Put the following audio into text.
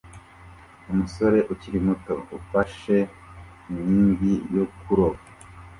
Umusore ukiri muto ufashe inkingi yo kuroba